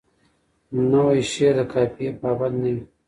نوی شعر د قافیه پابند نه وي.